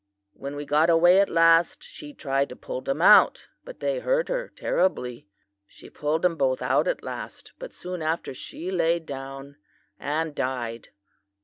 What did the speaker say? When we got away at last she tried to pull them out, but they hurt her terribly. She pulled them both out at last, but soon after she lay down and died.